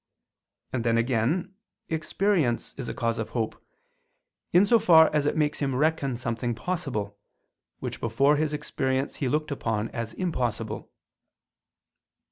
And then again experience is a cause of hope, in so far as it makes him reckon something possible, which before his experience he looked upon as impossible.